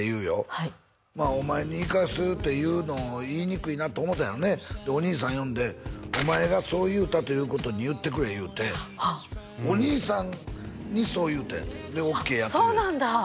はいお前に言い返すっていうのを言いにくいなと思ったんやろうねでお兄さん呼んでお前がそう言うたということに言ってくれ言うてお兄さんにそう言うたんやってあっそうなんだ